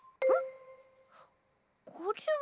これは。